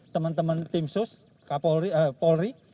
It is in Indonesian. teman teman tim sus polri